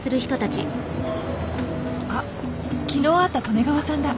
あっ昨日会った刀根川さんだ！